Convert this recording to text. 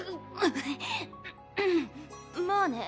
まあね